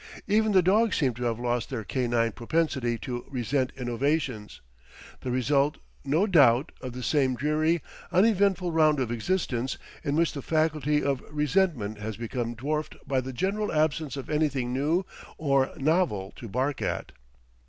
Even the dogs seem to have lost their canine propensity to resent innovations; the result, no doubt, of the same dreary, uneventful round of existence, in which the faculty of resentment has become dwarfed by the general absence of anything new or novel to bark at.